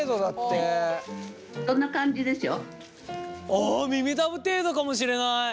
ああ耳たぶ程度かもしれない。